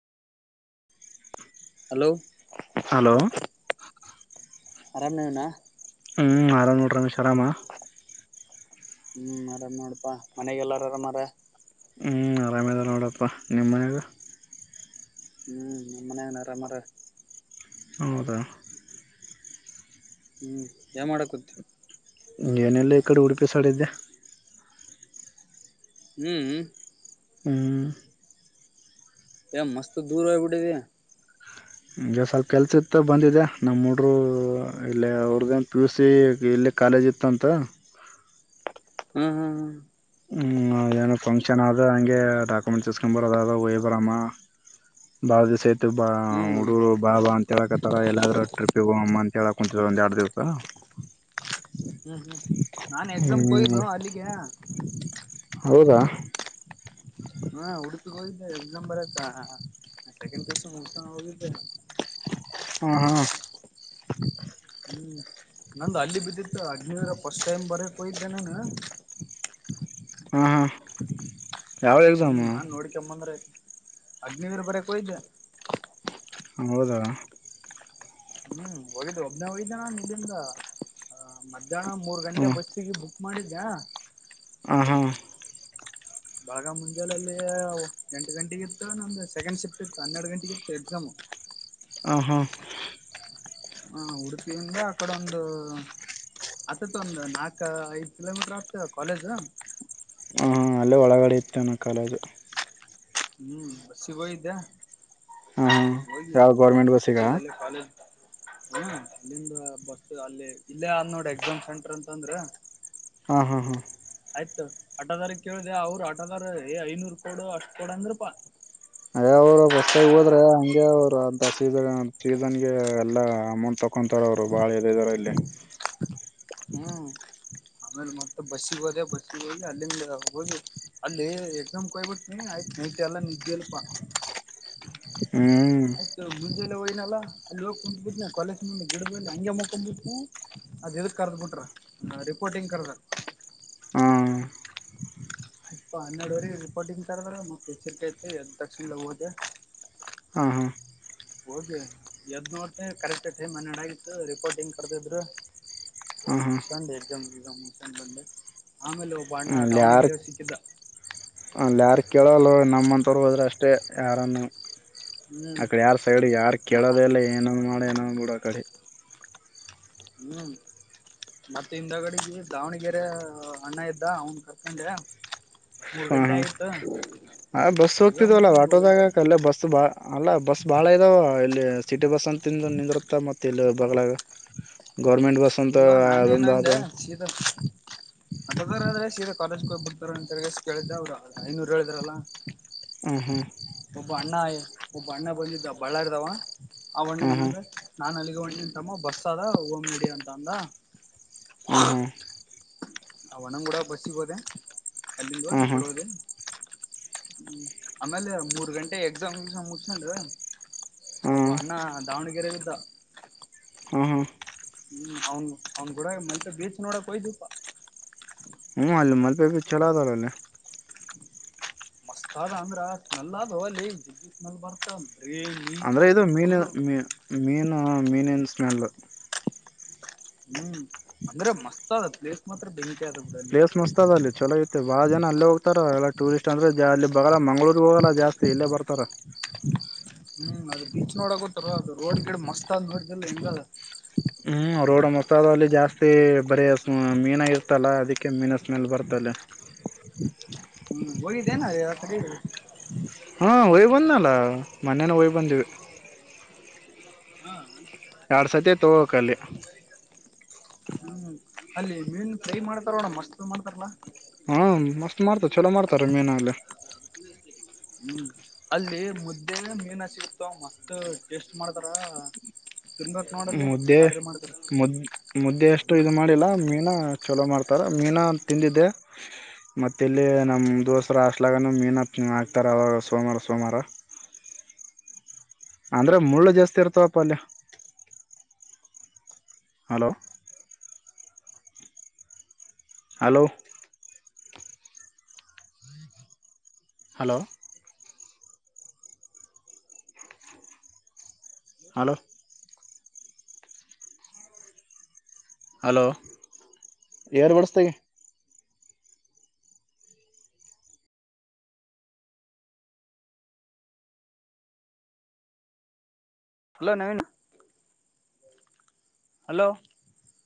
Hello hello ಆರಾಮ್ನವನಾ ಹ್ಮ ಆರಾಮ ನೋಡ ರಮೇಶ ಆರಾಮ. ಹ್ಮ ಆರಾಮ ನೋಡಪಾ ಮನೆಗೆಲ್ಲಾರ ಆರಾಮರ. ಹ್ಞ ಆರಾಮದ ನೋಡಪ್ಪ ನಿಮ್ಮ ಮನ್ಯಾಗ ಹ್ಮ ನೀಮ್ಮನ ಆರಾಮಾರಾ ಹೌದ ಹ್ಮ ಯ ಮಾಡಕುತ್ ಏನಲ್ಲ ಇಕಡಿ ಉಡುಪಿಸಡಿದ್ದೆ. ಹ್ಮ. ಹಾ ಎ ಮಸ್ತ ದೂರ ಹೋಗಿ ಬಿಟ್ಟಿದಿ. ಹಗೆ ಸ್ವಲ್ಪ ಕೆಲ್ಸ ಇತ್ತ ಬಂದಿದೆ ನಮ್ಮಡ್ರು ಇಲ್ಲ ಅವ್ರ್ದನ ಪಿ ಯು ಸಿ ಇಲ್ಲ ಕಾಲೇಜ್ ಇತ್ತು ಅಂತ ಹ್ಮ್ ಹ್ಮ್ ಹ್ಮ್ ಹ್ಮ್ ಏನೋ ಫಂಕ್ಷನ್ ಆದ ಹಂಗೆ ಡಾಕ್ಯುಮೆಂಟ್ಸ್ ತಸ್ಕೊಂಡ್ ಬರೋದ ಅ ವಯ್ ಬರಮ್ಮ ಬಾ ದಿವ್ ಆತು ಬಾ ಹ್ಮ್ ಹ್ಮ್ ಹುಡುರು ಬಾಬಾ ಅಂತ ಹೇಳಕತ್ತಾರ ಎಲ್ಲಾದ್ರೂ ಟ್ರಿಪ್ಿಗೆ ಹ ಅಮ್ಮ ಅಂತ ಹೇಳಕ್ ಕಚ ಜಂದುಾಡುದತ್ತಾ ಹ್ಮ್ ಹ್ಮ್ ನಾನ್ ಎಕ್ಸಾಮ್ ಕೊಯಿದ್ನ ಅಲ್ಲಿಕ್ಕೆನಾ ಹೌದಾ ಹಾ ಉಡುತಕೋಗಿದ್ದ ಇ ನಂಬರ ಹ ಮಷ್ಟೆ ಕೆಕಸಸ ಹೋಗಿದ್ದ ಹ್ಮ ಹಾ ಹ್ಮ್ ನಂದು ಹಳ್ಳಿ ಬಿದ್ದಿತ್ತು ಹಗ್ಫಸ್ಟ್ ಟೈಮ್ ಬರಕ್ಯ್ದೆ ನಾನ ಹಾ ಹಾ ಯಾವ ಹು ಎಕ್ಸಾಮು ನಾನ್ ನೋಡ್ಕಂದ್ರಯ ಅಗ್ನಿದ್ರ ಬರಕ್ಯ್ದ ಅಂಗ್ರೋದ ಹ್ಮ ಹೋಗಿದ್ದು ಒಬ್ನ ಹೋಗಿದ್ದಾನ ಇದಂದ ಮಧ್ಯಾಹ್ನ ಮೂರ್ ಗಂಟೆ ಹ್ಮ್ ಬಸ್ಸಿಗೆ ಬುಕ್ ಮಾಡಿದ್ದ್ಯಾ ಆಹಾ ಬಾಗ ಮುಂಜೆಲ್ಲಿ ಎಂಟು ಗಂಟೆಗಿತ್ತು ನಮ್ದ ಸೆಕೆಂಡ್ ಶೆಫ್ಟ್ ಇತ್ತು ಹನ್ನೆರಡು ಗಂಟೆಗಿತ್ತು ಎಕ್ಸಾಮ್ ಹ ಹ ಹಾ ಹ ಉಡುಪಿಯಿಂದ ಅಕಡ ಒಂದು ಆ ತೊ ನಾಕ ಐದು ಕಿಲೋಮೀಟರ್ ಆತ ಕಾಲಜ ನಲ್ಲ ಒಳಗಡೆ ಇಷ್ಟಣ ಆ ಕಾಲ ಅದು ಹ್ಮ್ ಬ ಸಿಗೋದೆ ಹಾಂ ಹಾಂ ಯಾವ ಗೋರ್ಮೆಂಟ್ ಬ ಸಿಕ್ಕ ಹ ಹ ಇಲ್ಲಿಂದ ಬಸ್ ಅಲ್ಲಿ ಇಲ್ಲೇ ಅ ನೋಡ್ ಎಕ್ಸಾಮ್ ಸೆಂಟರ್ ಅಂತ ಅಂದ್ರ ಹಾ ಹಾ ಹಾ ಆಯ್ತು ಆಠದಾರ ಕೇಳ್ದ ಅವರು ಆಟದಾರಏ ಐನೂರು ಕೊೋಡು ಅಷ್ಟ ಕೊಡ ಅಂದ್ರ ಪಾ ಅ ಅವರು ಬಸ್ತಾಗ ಹೋದ್ರೆ ಹಂಗೆ ಅವರು ಅಂತ ಸೀ ಸೀಸನ್ ಗೆ ಎಲ್ಲಾ ಅಮೌಂಟ್ ತಕೊಂಡ ತಾರ ಅವ್ರು ಬಾಳ ಎದೆ ಇದಾರ ಇಲ್ಲ ಹ್ಮ್ ಆಮೇಲೆ ಮತ್ತತ್ ಬಸ್ಸಿಗೆ ಹೋದ ಬಸ್ಸಗ ಹೋಗಿ ಅಲ್ಲಿಂದ ಹ ಅಲ್ಲಿ ಎಕ್ಸಾಮ್ ಕೊಯ್ಬಿಡ್ತನ ಆಯ್ತು ನಟ ಎಲ್ಲ ನಿದ್ದಲ್ಪ ಹ್ಮ್ ಆಯ್ತು ಗುಜೆಲ್ಲ ಹೋಗನಲ್ಲಾ ಅಲ್ಲಿ ಹೋಗ್ಕ್ ಬಿಟ್ಟನ ಕಾಲೇಜ್ ಮುಂದ ಗಿಡಬ ಹಂಗೆ ಮುಕೊಂಡ್ ಬಿಟ್ಟನಿ ಅದ್ ಇದಕ್ ಕರ್ದ ಬಿಟ್ರ ರಿಪೋರ್ಟಿಂಗ್ ಕರ್ದ ಹಾ ಇಪ್ಪ ಹನ್ನೆಡವರೆ ರಿಪೋರ್ಟಿಂಗ್ ತರದ್ರ ಮಕ್ ಎಚ್ಚರಿಕೆ ಐತಿ ಎದ್ ತಕ್ಷಣ ಹೋದೆ ಹಾ ಹಾ ಹೋಗಿ ಎದ್ದು ನೋಡ್ತ ಕರೆಕ್ಟ್ ಟೈಮ್ ಹನ್ನೆರಡ ಆಗಿತ್ತು ರಿಪೋರ್ಟಿಂಗ್ ಕರೆದಿದ್ರು ಒ ಹಾ ಹಾ ಮುಷಂಡೆ ಎ ಮುಷೆ ಆಮೇಲೆ ಬಣ್ಣ ಅಲ್ಲಿ ಯಾರ್ ದಾವಣಗೆರರೆ ಸಿಕ್ಕಿದ್ದ ಅಲ್ಲಿ ಯಾರ ಕೇಳಲ್ಲವ ನಮ್ಮಂತವರು ಹೋದ್ರೆ ಅಷ್ಟೇ ಯಾರನ್ನು ಹ್ಮ್ ಅಕಡೆ ಯಾರ್ ಸೈಡ್ ಯಾರ ನಾ ಕೇಳೋದ ಎಲ್ಲ ಏನ್ ಮಾಡ ಏನಾದ ಬಿಡ ಅ ಕಡೆ ಹ್ಮ್ ಮತ್ತ ಹಿಂದಗಡೆಗೆ ದಾವಣಗೆರೆ ಅಣ್ಣ ಇದ್ದ ಅವನ್ ಕರ್ಕೊಂಡೆ ಮೂರ್ ಗಂಟೆ ಆಗಿತ್ತು ಹ ಬಸ್ ಎಕ್ಸಾಮ್ ಹೋಗ್ತಿದವಲ್ಲ ಮುಗಿಸಿ ಮೂರ್ ಗಂಟೆ ಆಟೋದಾಗಕ್ ಆಗಿತ್ತು ಅಲ್ಲೇ ಬಸ್ ಬಾ ಅಲ್ಲ ಬಸ್ ಬಾಳ ಇದಾವ ಇಲ್ಲಿ ಇಲ್ಲಿ ಸಿಟಿ ಬಸ್ ಅಂತ ತಿಂದು ನಿಂದಿರುತ್ತ ಮತ್ತೆ ಇಲ್ಲಿ ಬಲಾಗ ಗೋರ್ಮೆಂಟ್ ಬಸ ಅಂತ ಇಲ್ಲೋ ನಾನ ದತ ದ್ರೆ ಸೀ ಕಾಲೇಜ್ ಹೋಗಿ ಬಕ್ತಾರಂತ ತಿಗ ಕೇಳಿದ್ದೆ ಅವರು ಐನೂರು ಹೇಳಿದಾರಲ್ಲಾ ಹ್ಮ ಹ್ಮ್ ಒಬ್ಬ ಅಣ್ಣ ಒಬ್ಬ ಅಣ್ಣ ಬಂದಿದ್ದ ಬಳಾರ್ದಾವ ಆ ಬಣ್ಣ ಏನಂದ್ರೆ ನಾನನ್ ಅಲ್ಲಿಗೆಣ ನಿನ್ ತಮ್ಮಬಸ್ಸ ಅದ ಹೋಗಮ್ಮ ಅಂತ ಅಂದ ಹ್ಮ್ ಹ್ಮ್ ಹ್ಮ್ ಆ ಒಣಂಗ ಕೂಡ ಬರ್ಸಗ್ ಹೋದೆ ಅಲ್ಲಿಂದ ಹದ ಹ್ಮ್ ಆ ಹ್ಮ್ ಕಡೆ ಹೋದೆ ಹ್ಮ್ ಆಮೇಲೆ ಮೂರ್ ಗಂಟೆ ಎಕ್ಸಾಮ್ ಎಕ್ಸಾಮ್ ಮುಗುಸ್ಕೊಂಡು ಹ್ಮ್ ಒಬ್ಬ ಹ್ಮ್ ಅಣ್ಣ ದಾವಣಗೆರೆ ಇದಿದ್ದ ಹಾ ಹಾ ಹ್ಮ್ ಅವನ್ ಅವನ್ ಗುಡಾಗ ಮತ್ ಬೀಚ್ ನೋಡಕ್ ಹಯ್ದಪ್ಪಾ ಹ್ಞ ಅಲ್ಲಿ ಮಲ್ಪೇ ಬೀಚ್ ಚಲೋವದಾರಲ್ಲೇ ಮಸ್ತ್ ಅದ ಅಂದ್ರ ಆ ಸ್ಮೆಲ್ ಅದಲ್ಲಿ ಸ್ಮೆಲ್ ಬರ್ತ ಬರೇ ನೀಚ್ ಅಂದ್ರೆ ಇದು ವಾಸನೆ ಮೀನ ಫುಲ್ಲು ಮೀ ಮೀನು ಮೀನನ್ ಸ್ಮೆಲ್ ಹ್ಮ್ ಅಂದ್ರೆ ಮಸ್ತ್ ಅದ ಪ್ಲೇಸ್ ಮಾತ್ರ ಬೆ ಪ್ಲೇಸ್ ಮುಸ್ತದ ಅಲ್ಲಿ ಚಲೋ ಐತಿ ಬಾಳ ಜನ ಎಲ್ಲೇ ಹೋಗ್ತಾರ ಎಲ್ಲ ಟೂರಿಸ್ಟ್ ಅಂದ್ರೆ ಅಲ್ಲಿ ಬಲ್ಲ ಮಂಗಗಳೂರ್ ಹೋಗಲ್ಲ ಜಾಸ್ತಿ ಇಲ್ಲೇ ಬರ್ತಾರ ಹ್ಮ್ ಅದು ಬೀಚ್ ನೋಡಕತ್ತರ ಅದು ರೋಡ್ ಗಿಡ ಮಸ್ತ್ ಅಂದ ನೋಡ್ ಹೆಂಗಲ್ಲ ಹ್ಮ್ ರೋಡ್ ಮೊಸಾದ ಅಲ್ಲಿ ಜಾಸ್ತಿ ಬರೀ ಮೀನ ಇರ್ತಲ್ಲ ಅದಕ್ಕೆ ಮೀನ ಸ್ಮೆಲ್ ಬರ್ತಲ್ಲ ಹ್ಮ್ ಹೋಗಿದ್ದೇನ ಅಕಾಡೆಗಿ ಹಾಂ ಯ್ ಬಂದನಲ್ಲ ಮೊನ್ನೇನ ಹಯ್ ಬಂದೀವಿ ಹಾ ಎರಡ್ ಸತಿ ತಗೋಕಲ್ಲಿ ಹ್ಮ್ ಅಲ್ಲಿ ಮೀನು ಫ್ರೈ ಮಾಡ್ತಾರೋಣ್ಣ ಮಸ್ತ್ ಮಾಡ್ತಾರಲ್ಲಾ ಹ್ಮ ಮಸ್ತ್ ಮಾಡ್ತಾರ ಚಲೋ ಮಾಡ್ತಾರ ಮೀನ ಅಲ್ಲ ಹ್ಮ್ ಅಲ್ಲಿ ಮುದ್ದೆ ಮೀನಾ ಸಿಗ್ತ ಮತ್ತತ್ ಟೇಸ್ಟ್ ಮಾಡ್ತಾರ ತಿನ್ಬೇಕ್ ನೋಡಲ್ಲಿ ಮುದ್ದೆ ಬಾರಿ ಮಾಡ್ತಾರ ಮುದ್ ಮುದ್ದೆ ಎಷ್ಟು ಇದು ಹ್ಮ್ ಮಾಡಿಲ್ಲ ಮೀನಾ ಚಲೋ ಮಾಡ್ತಾರೆ ಮೀನ ತಿಂದಿದ್ದೆ ಮತ್ತ ಇಲ್ಲಿ ನಮ್ ದೋಸ್ರ ಅಷ್ಟಲಗನ ಮೀನು ಹಕ್ತಾರ ಅವಾಗ ಸೋಮವಾರ ಸೋಮವಾರ ಹ ಅಂದ್ರೆ ಮುಳ್ಳು ಜಾಸ್ತಿ ಇರ್ತಾವಪ್ಪ ಅಲ್ಲಿಯ hello hello hello hello hello air birds ತೆಗಿ ಹಲೋ ನವೀನಾ ಹಲೋ